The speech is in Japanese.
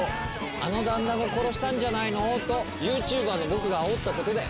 あの旦那が殺したんじゃない？とＹｏｕＴｕｂｅｒの僕があおったことで。